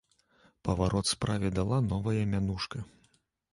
Паварот справе дала новая мянушка.